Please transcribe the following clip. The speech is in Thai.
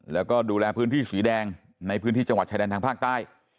แล้วก็ดูแลพื้นที่สีแดงในพื้นที่จังหวัดชายแดนทางภาคใต้